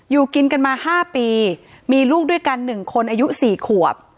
อยู่กินกันมา๕ปีมีลูกด้วยกัน๑คนอายุ๔ขวบ